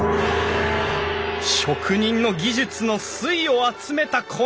職人の技術の粋を集めたこの天井！